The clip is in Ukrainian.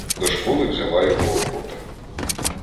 До школи взяла його охота.